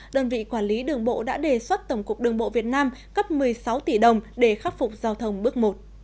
đơn vị quản lý đường bộ đã đề xuất tổng cục đường bộ việt nam cấp một mươi sáu tỷ đồng để khắc phục giao thông bước một